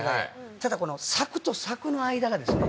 ただこの柵と柵の間がですね